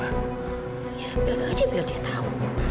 ya udah gak ada aja biar dia tahu